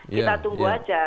kita tunggu aja